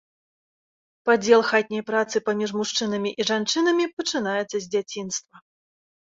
Падзел хатняй працы паміж мужчынамі і жанчынамі пачынаецца з дзяцінства.